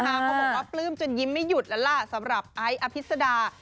เขาบอกว่าปลื้มจนยิ้มไม่หยุดแล้วล่ะสำหรับไอซ์อภิษดา